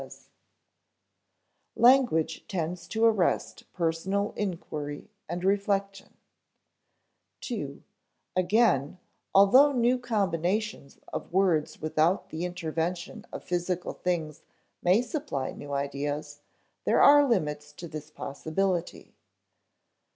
[Sidenote: Language tends to arrest personal inquiry and reflection] (ii) Again, although new combinations of words without the intervention of physical things may supply new ideas, there are limits to this possibility.